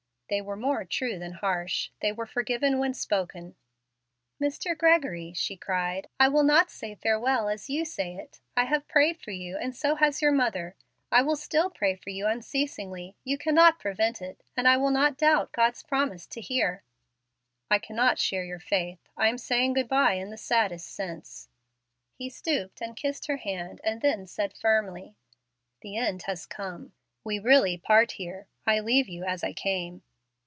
"They were more true than harsh. They were forgiven when spoken." "Mr. Gregory," she cried, "I will not say farewell as you say it. I have prayed for you, and so has your mother. I will still pray for you unceasingly. You cannot prevent it, and I will not doubt God's promise to hear." "I cannot share your faith. I am saying good by in the saddest sense." He stooped and kissed her hand, and then said, firmly, "The end has come. We really part here. I leave you as I came."